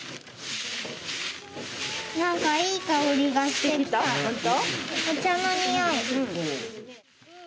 なんかいい香りがしてきた。